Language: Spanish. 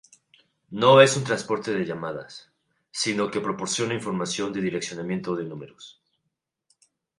No es un transporte de llamadas, sino que proporciona información de direccionamiento de números.